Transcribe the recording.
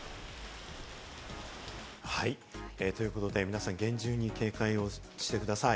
ということで、皆さん厳重に警戒をしてください。